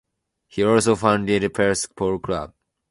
He also founded the Perth Polo Club.